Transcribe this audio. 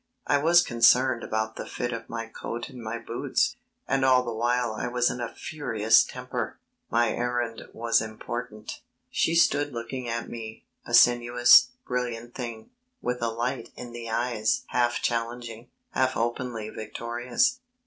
I was concerned about the fit of my coat and my boots, and all the while I was in a furious temper; my errand was important. She stood looking at me, a sinuous, brilliant thing, with a light in the eyes half challenging, half openly victorious.